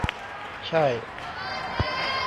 ใช่